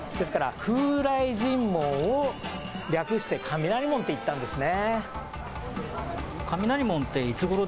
ですから風雷神門を略して雷門と言ったんですね。